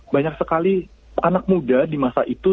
banyak sekali anak muda di masa itu